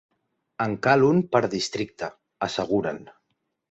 En cal un per districte, asseguren.